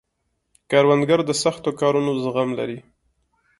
کروندګر د سختو کارونو زغم لري